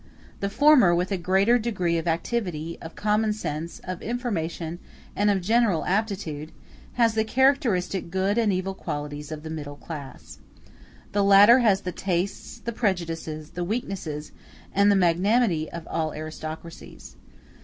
The former, with a greater degree of activity, of common sense, of information, and of general aptitude, has the characteristic good and evil qualities of the middle classes. The latter has the tastes, the prejudices, the weaknesses, and the magnanimity of all aristocracies.